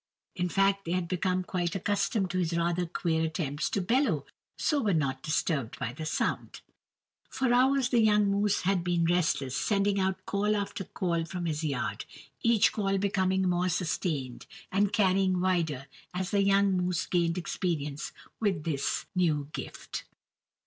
In fact they had become quite accustomed to his rather queer attempts to bellow, so were not disturbed by the sound. For hours the young moose had been restless, sending out call after call from his yard, each call becoming more sustained and carrying wider as the young moose gained experience with his new gift.